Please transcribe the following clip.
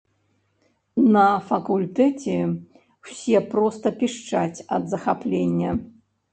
На факультэце ўсе проста пішчаць ад захаплення.